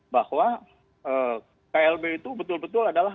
bahwa klb itu betul betul adalah